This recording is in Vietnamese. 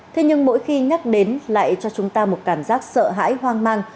thế nhưng mỗi khi nhắc đến lại cho chúng ta một cảm giác sợ hãi hoang mang